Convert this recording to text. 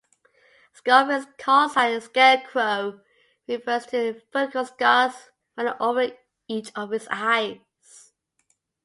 Schofield's callsign "Scarecrow" refers to the vertical scars running over each of his eyes.